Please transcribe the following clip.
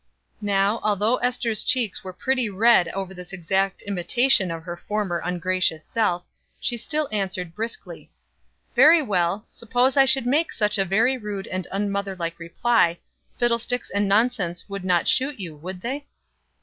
'" Now, although Ester's cheeks were pretty red over this exact imitation of her former ungracious self, she still answered briskly: "Very well, suppose I should make such a very rude and unmotherlike reply, fiddlesticks and nonsense would not shoot you, would they?"